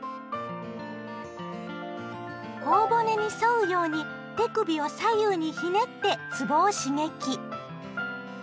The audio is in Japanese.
ほお骨に沿うように手首を左右にひねってつぼを刺激！